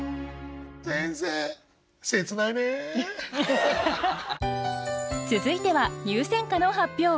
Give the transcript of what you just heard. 先生続いては入選歌の発表。